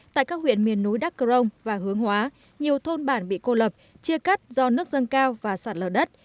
tại các huyện miền núi đắk cơ rông và hướng hóa nhiều thôn bản bị cô lập chia cắt do nước dâng cao và sạt lở đất